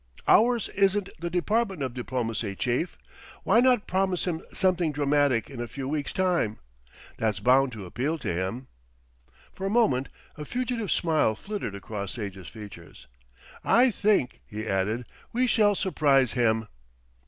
"Ours isn't the department of diplomacy, chief. Why not promise him something dramatic in a few weeks' time? That's bound to appeal to him." For a moment a fugitive smile flittered across Sage's features. "I think," he added, "we shall surprise him."